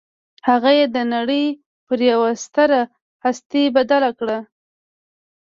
هغه يې د نړۍ پر يوه ستره هستي بدل کړ.